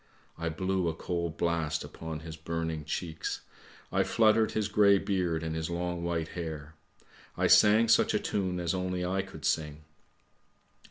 I blew a cold blast upon his burning cheeks, I fluttered his grey beard and his long white hair ; I sang such a tune as only I could sing.